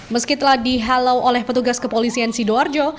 meskipun dihalau oleh petugas kepolisian sidoarjo